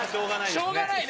しょうがないね。